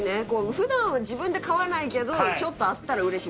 普段は自分で買わないけどちょっとあったら嬉しい